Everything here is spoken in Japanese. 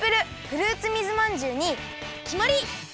フルーツ水まんじゅうにきまり！